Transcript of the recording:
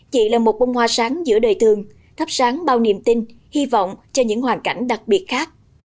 chị là một bông hoa sáng giữa đời thường thắp sáng bao niềm tin hy vọng cho những hoàn cảnh đặc biệt khác